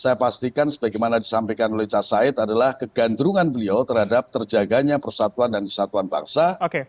saya pikir yang paling penting sebagaimana disampaikan oleh cak said adalah kegandrungan beliau terhadap terjaganya persatuan dan kesatuan bangsa